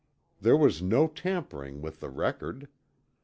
There was no tampering with the record.